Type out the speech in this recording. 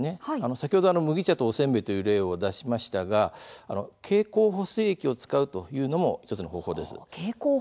先ほど麦茶とおせんべいという例を出しましたが経口補水液を使うというのも１つの方法です。